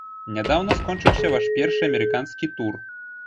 Нядаўна скончыўся ваш першы амерыканскі тур.